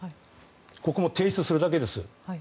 ここも提出するだけです。